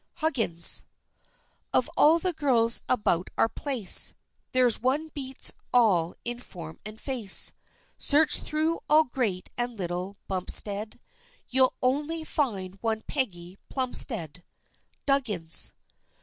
HUGGINS. Of all the girls about our place, There's one beats all in form and face; Search through all Great and Little Bumpstead, You'll only find one Peggy Plumstead. DUGGINS.